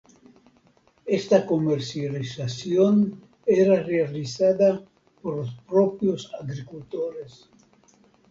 Esta comercialización era realizada por los propios agricultores.